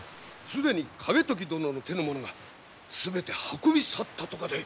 既に景時殿の手の者が全て運び去ったとかで。